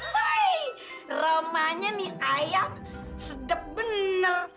wih romanya nih ayam sedap bener